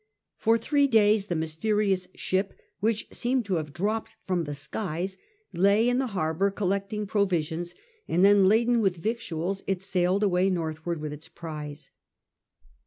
For three days the mysterious ship, which seemed to have dropped from the skies, lay in the harbour collect ing provisions, and then, laden with victuals, it sailed away northward with its prize.